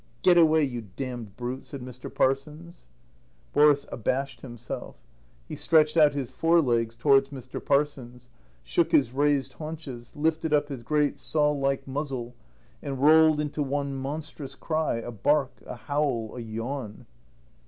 "Get away, you damned brute," said Mr. Parsons. Boris abashed himself; he stretched out his fore legs towards Mr. Parsons, shook his raised haunches, lifted up his great saw like muzzle, and rolled into one monstrous cry a bark, a howl, a yawn.